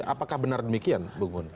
apakah benar demikian bung gun